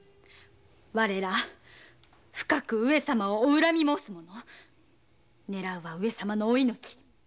我ら上様をお恨み申す者ねらうは上様のお命。